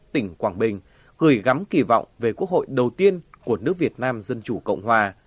tỉnh quảng bình gửi gắm kỳ vọng về quốc hội đầu tiên của nước việt nam dân chủ cộng hòa